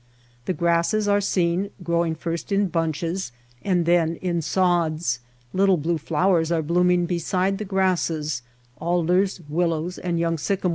The grasses are seen growing first in bunches and then in sods, little blue flowers are blooming beside the grasses; alders, willows, and young sycamores Lost streams.